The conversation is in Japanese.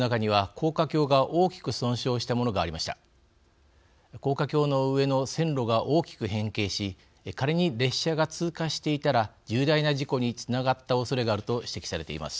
高架橋の上の線路が大きく変形し仮に列車が通過していたら重大な事故につながったおそれがあると指摘されています。